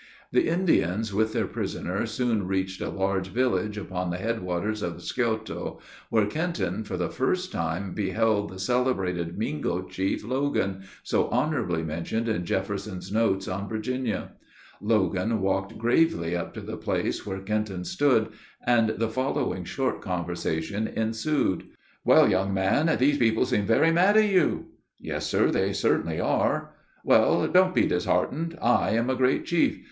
The Indians with their prisoner soon reached a large village upon the headwaters of the Scioto, where Kenton, for the first time, beheld the celebrated Mingo chief, Logan, so honorably mentioned in Jefferson's Notes on Virginia. Logan walked gravely up to the place where Kenton stood, and the following short conversation ensued: "Well, young man, these people seem very mad at you?" "Yes, sir, they certainly are." "Well; don't be disheartened. I am a great chief.